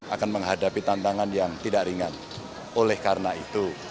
akan menghadapi tantangan yang tidak ringan oleh karena itu